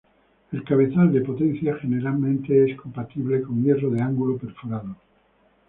El cabezal de potencia generalmente es compatible con hierro de ángulo perforado.